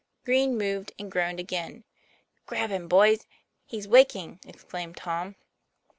Green moved and groaned again. "Grab him boys; he's waking!" exclaimed Tom.